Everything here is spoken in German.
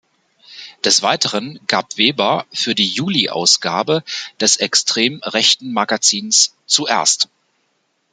Des Weiteren gab Weber für die Juli-Ausgabe des extrem rechten Magazins Zuerst!